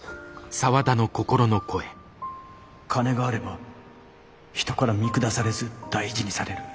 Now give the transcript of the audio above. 心の声金があれば人から見下されず大事にされる。